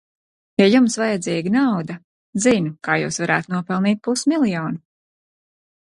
Ja jums vajadzīga nauda, zinu, kā jūs varētu nopelnīt pus miljonu!